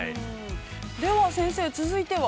◆では先生続いては？